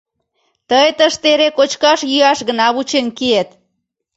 Тый тыште эре кочкаш-йӱаш гына вучен киет...